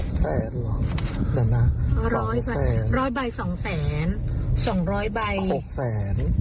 เดี๋ยวนะ๒๐๐๐๐๐บาทรอยใบ๒๐๐๐๐๐บาท๒๐๐ใบ๖๐๐๐๐๐บาท